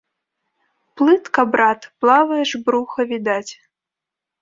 Плытка, брат, плаваеш, бруха відаць!